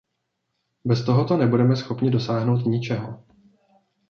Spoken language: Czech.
Bez tohoto nebudeme schopni dosáhnout ničeho.